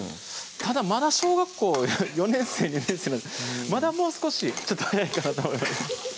ただまだ小学校４年生・２年生なのでまだもう少しちょっと早いかなと思います